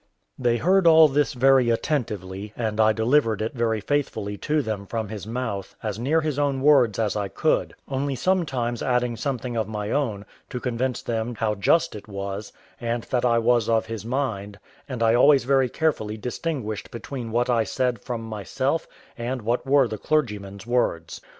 They heard all this very attentively, and I delivered it very faithfully to them from his mouth, as near his own words as I could; only sometimes adding something of my own, to convince them how just it was, and that I was of his mind; and I always very carefully distinguished between what I said from myself and what were the clergyman's words.